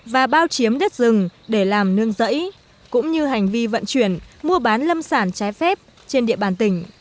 và bao chiếm đất rừng để làm nương rẫy cũng như hành vi vận chuyển mua bán lâm sản trái phép trên địa bàn tỉnh